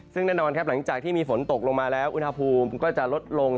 ซึ่งแน่นอนครับหลังจากที่มีฝนตกลงมาแล้วอุณหภูมิก็จะลดลง